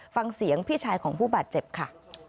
ฟังเสียงพี่ชายของผู้บาดเจ็บค่ะ